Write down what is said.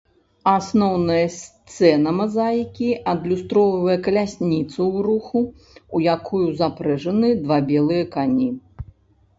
Асноўная сцэна мазаікі адлюстроўвае калясніцу ў руху, у якую запрэжаны два белыя кані.